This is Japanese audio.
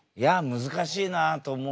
難しいと思う？